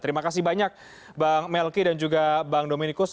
terima kasih banyak bang melky dan juga bang dominikus